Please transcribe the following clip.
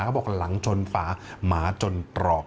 เขาบอกหลังจนฝาหมาจนตรอก